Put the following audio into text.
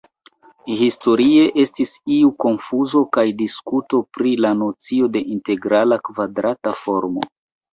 Historie estis iu konfuzo kaj diskuto pri la nocio de integrala kvadrata formo.